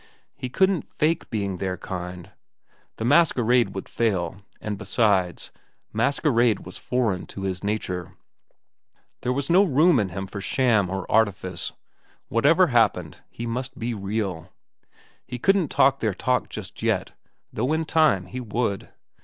He couldn't fake being their kind. The masquerade would fail, and besides, masquerade was foreign to his nature. There was no room in him for sham or artifice. Whatever happened, he must be real. He couldn't talk their talk just yet, though in time he would.